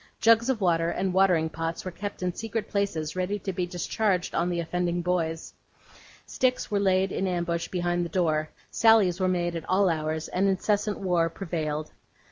Jugs of water, and watering pots, were kept in secret places ready to be discharged on the offending boys; sticks were laid in ambush behind the door; sallies were made at all hours; and incessant war prevailed.